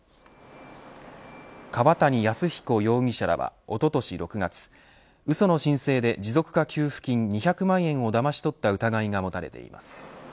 川谷泰彦容疑者らはおととし６月うその申請で持続化給付金２００万円をだまし取った疑いが持たれています。